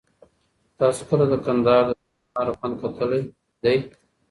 تاسو کله د کندهار د سرو انار خوند کتلی دی؟